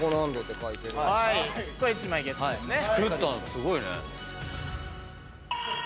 すごいね。